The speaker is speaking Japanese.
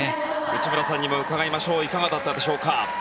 内村さんにも伺いましょういかがだったでしょうか。